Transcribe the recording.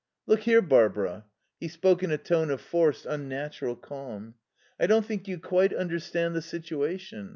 "Look here, Barbara." He spoke in a tone of forced, unnatural calm. "I don't think you quite understand the situation.